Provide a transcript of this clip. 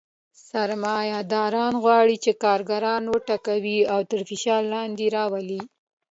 سرمایه داران غواړي چې کارګران وټکوي او تر فشار لاندې راولي